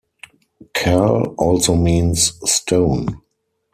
'Kal' also means 'stone'.